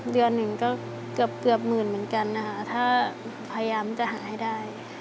เดือนหนึ่งก็เกือบเกือบหมื่นเหมือนกันนะคะถ้าพยายามจะหาให้ได้